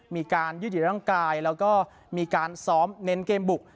มีการยืดอยู่ในร่างกายแล้วก็มีการซ้อมเน้นเกมบุก